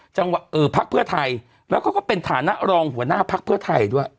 จังหวะเออพรรคเพื่อไทยแล้วก็เป็นฐานะรองหัวหน้าพรรคเพื่อไทยด้วย